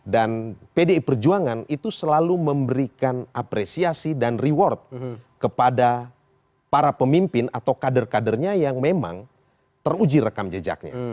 dan pdi perjuangan itu selalu memberikan apresiasi dan reward kepada para pemimpin atau kader kadernya yang memang teruji rekam jejaknya